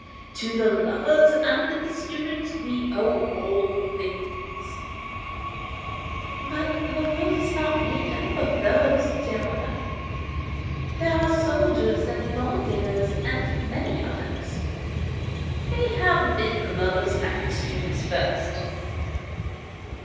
To the lovers and the students we owe all things." " But the world is not made up of these, dear mother ; there are the soldiers, and the lawgivers, and many others." 72 ANYHOW STORIES. [STORY " They have been lovers and students first."